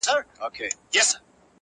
خلګ وایې شعر دی زه وام نه د زړو خبري دي,